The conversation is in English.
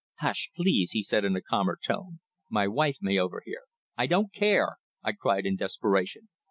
"Hush, please," he said in a calmer tone. "My wife may overhear." "I don't care!" I cried in desperation.